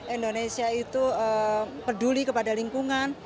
indonesia itu peduli kepada lingkungan